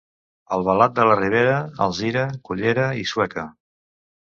Albalat de la Ribera, Alzira, Cullera i Sueca.